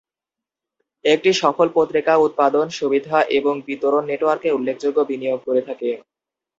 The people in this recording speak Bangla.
একটি সফল পত্রিকা উৎপাদন সুবিধা এবং বিতরণ, নেটওয়ার্কে উল্লেখযোগ্য বিনিয়োগ করে থাকে।